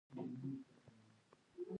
هغې يوه هفته رخصت اخيستى.